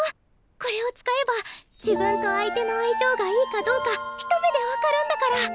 これを使えば自分と相手のあいしょうがいいかどうか一目で分かるんだから。